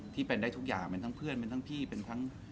ที่เป็นได้ทุกอย่างเป็นทั้งเพื่อนเป็นทั้งพี่เป็นทั้ง